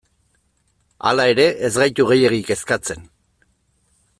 Hala ere, ez gaitu gehiegi kezkatzen.